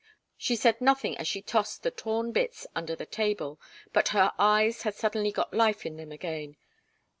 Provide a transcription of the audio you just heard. She said nothing as she tossed the torn bits under the table, but her eyes had suddenly got life in them again.